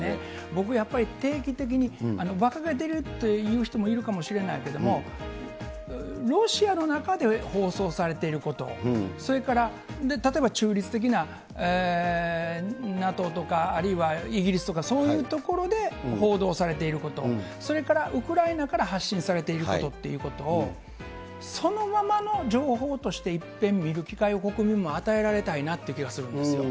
僕やっぱり、定期的にばかげていると言う人もいるかもしれないですけれども、ロシアの中で放送されていること、それから、例えば中立的なＮＡＴＯとかあるいはイギリスとかそういう所で報道されていること、それからウクライナから発信されていることっていうことを、そのままの情報としていっぺん見る機会を国民も与えられたいなっていう気がするんですよ。